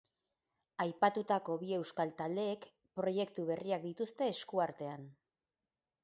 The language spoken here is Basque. Aipatutako bi euskal taldeek proiektu berriak dituzte esku artean.